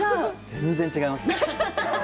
全然、違いますね。